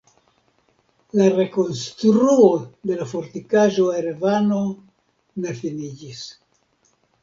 La rekonstruo de la Fortikaĵo Erevano ne finiĝis.